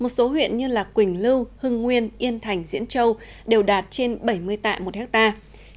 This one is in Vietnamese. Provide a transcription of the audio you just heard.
một số huyện như quỳnh lưu hưng nguyên yên thành diễn châu đều đạt trên bảy mươi tạ một hectare